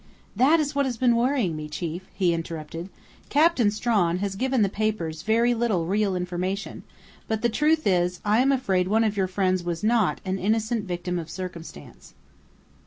"That is what has been worrying me, chief," he interrupted. "Captain Strawn has given the papers very little real information, but the truth is I am afraid one of your friends was not an innocent victim of circumstance."